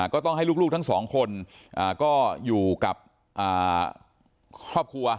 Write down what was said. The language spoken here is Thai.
ก็ต้องให้ลูกทั้งสองคนก็อยู่กับครอบครัว